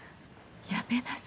やめなさい。